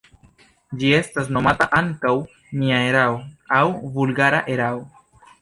Ĝi estas nomata ankaŭ “nia erao” aŭ "vulgara erao”.